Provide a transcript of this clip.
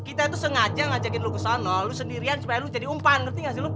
kita itu sengaja ngajakin lo kesana lo sendirian supaya lo jadi umpan ngerti gak sih lo